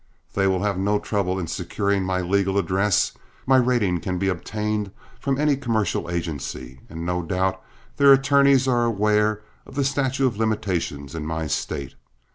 They will have no trouble in securing my legal address, my rating can be obtained from any commercial agency, and no doubt their attorneys are aware of the statute of limitation in my state.